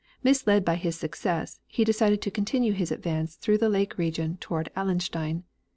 Misled by his success, he decided to continue his advance through the lake region toward Allenstein.